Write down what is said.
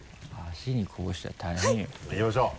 いきましょう。